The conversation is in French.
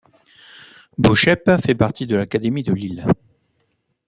Boeschepe fait partie de l'académie de Lille.